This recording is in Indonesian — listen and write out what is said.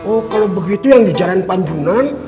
oh kalau begitu yang di jalan panjunan